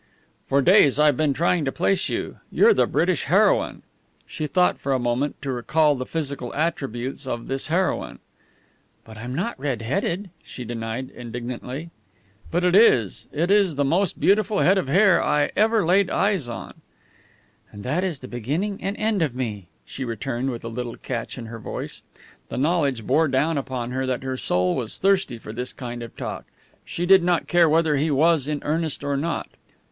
"For days I've been trying to place you. You're the British heroine!" She thought for a moment to recall the physical attributes of this heroine. "But I'm not red headed!" she denied, indignantly. "But it is! It is the most beautiful head of hair I ever laid eyes on." "And that is the beginning and the end of me," she returned with a little catch in her voice. The knowledge bore down upon her that her soul was thirsty for this kind of talk. She did not care whether he was in earnest or not.